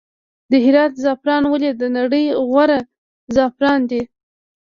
د هرات زعفران ولې د نړۍ غوره زعفران دي؟